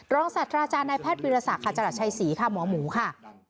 รองสัตว์ทราชาณายแพทย์วิทยาศาสตร์ขาจรัสชัยศรีค่ะหมอหมูค่ะ